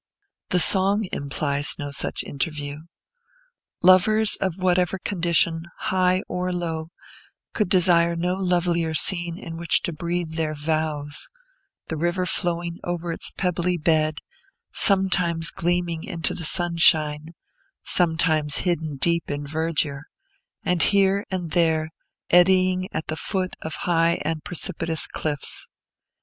The song implies no such interview. Lovers, of whatever condition, high or low, could desire no lovelier scene in which to breathe their vows: the river flowing over its pebbly bed, sometimes gleaming into the sunshine, sometimes hidden deep in verdure, and here and there eddying at the foot of high and precipitous cliffs.